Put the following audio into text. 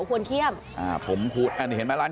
๕คนละ๓ขวด๒๐บาท